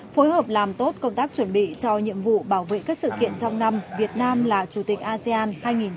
phối hợp làm tốt công tác chuẩn bị cho nhiệm vụ bảo vệ các sự kiện trong năm việt nam là chủ tịch asean hai nghìn hai mươi